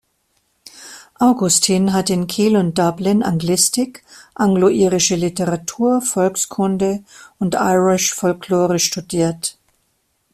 Augustin hat in Kiel und Dublin Anglistik, Anglo-Irische Literatur, Volkskunde und Irish Folklore studiert.